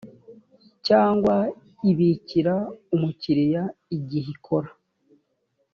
cyangwa ibikira umukiriya igihe ikora